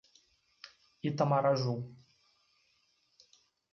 Itamaraju